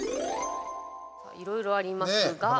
いろいろありますが。